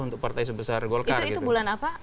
untuk partai sebesar golkar itu bulan apa